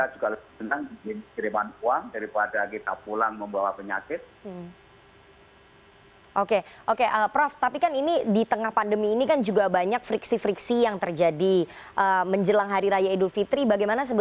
jangan menggantukkan orang lain